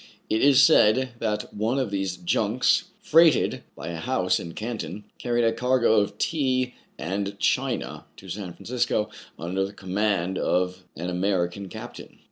It is said that one of these junks, freighted by a house in Canton, carried a cargo of tea and china to San Francisco under the command of an American captain.